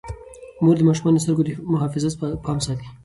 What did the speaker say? مور د ماشومانو د سترګو د محافظت پام ساتي.